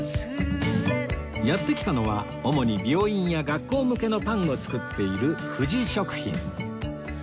やって来たのは主に病院や学校向けのパンを作っている富士食品